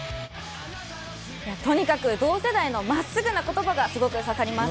とにかく同世代のまっすぐな言葉がすごく刺さります。